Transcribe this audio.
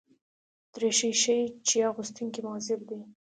دریشي ښيي چې اغوستونکی مهذب دی.